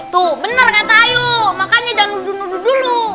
tuh bener kata ayu makanya udah nudu nudu dulu